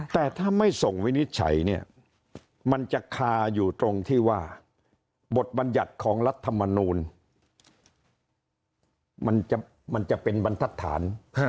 แต่ถ้าไม่ส่งวินิจฉัยเนี่ยมันจะคาอยู่ตรงที่ว่าบทบัญญัติของรัฐมนูลมันจะเป็นบรรทัศน